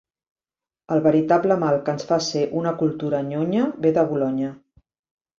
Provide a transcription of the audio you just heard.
El veritable mal que ens fa ser una cultura nyonya ve de Bolonya.